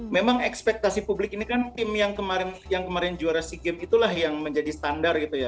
memang ekspektasi publik ini kan tim yang kemarin juara sea games itulah yang menjadi standar gitu ya